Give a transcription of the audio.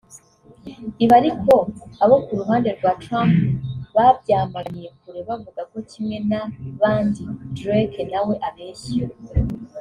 Ibi ariko abo ku ruhande rwa Trump babyamaganiye kure bavuga ko kimwe n’abandi Drake nawe abeshya